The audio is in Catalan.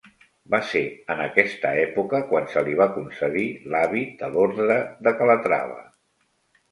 Va ser en aquesta època quan se li va concedir l'hàbit de l'orde de Calatrava.